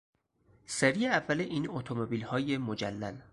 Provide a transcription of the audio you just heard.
سری اول این اتومبیل های مجلل